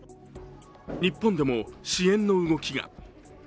日本でも支援の動きが。